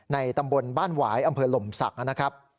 ตำบลบ้านหวายอำเภอหล่มศักดิ์นะครับ